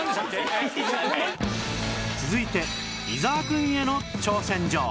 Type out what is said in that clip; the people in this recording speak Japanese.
続いて伊沢くんへの挑戦状